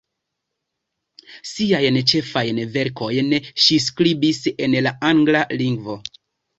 Siajn ĉefajn verkojn ŝi skribis en la angla lingvo.